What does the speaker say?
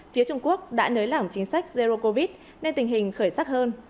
phía trung quốc đã nới lỏng chính sách zero covid nên tình hình khởi sắc hơn